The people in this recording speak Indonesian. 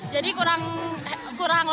jadi kurang lekap aja